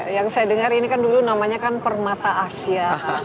yang saya dengar ini kan dulu namanya kan permata asia